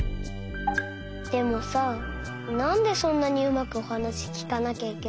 でもさなんでそんなにうまくおはなしきかなきゃいけないの？